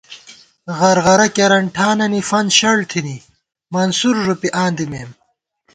غرغرہ کېرن ٹھانَنی فنت شَڑ تھنی، منصور ݫُوپی آں دِمېم